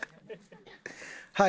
はい。